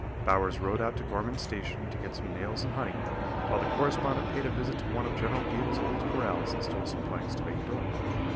Bowers rode out to Gorman's Station to get some nails and honey, while the correspondent paid a visit to one of General Beal's old corrals and stole some planks to make a door.